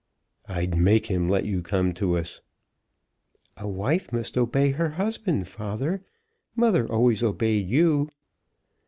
"I'd make him let you come to us." "A wife must obey her husband, father. Mother always obeyed you."